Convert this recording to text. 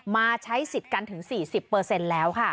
มาใช้สิทธิ์กันถึง๔๐แล้วค่ะ